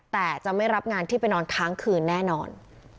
แต่จะไม่รับงานที่ไปนอนค้างคืนแน่นอน